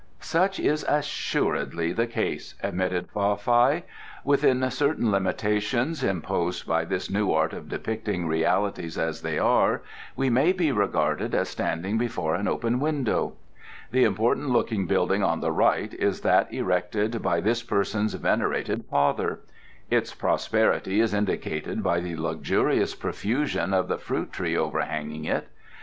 "Such is assuredly the case," admitted Fa Fai. "Within certain limitations, imposed by this new art of depicting realities as they are, we may be regarded as standing before an open window. The important looking building on the right is that erected by this person's venerated father. Its prosperity is indicated by the luxurious profusion of the fruit tree overhanging it.